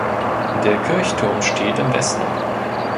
Der Kirchturm steht im Westen.